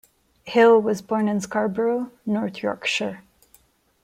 Hill was born in Scarborough, North Yorkshire.